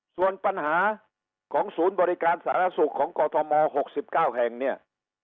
ส่วนปัญหาของศูนย์บริการสาธารณสุขของกรทม๖๙แห่งเนี่ย